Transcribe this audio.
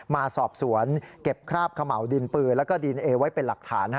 มาสอบสวนเก็บคราบเขม่าวดินปืนแล้วก็ดินเอไว้เป็นหลักฐาน